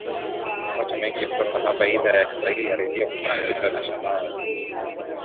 upate mengi kutoka hapa idhaa ya kiswahili ya redio france international